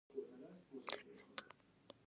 قرآن د مسلمان د اصلاح سرچینه ده.